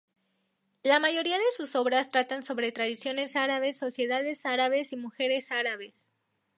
La mayoría de sus obras tratan sobre tradiciones árabes, sociedades árabes y mujeres árabes.